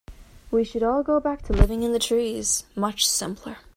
We should all go back to living in the trees, much simpler.